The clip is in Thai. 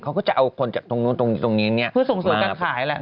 เขาก็จะเอาคนจากตรงนู้นตรงนี้ตรงนี้เนี่ยเพื่อส่งสวยการขายแหละ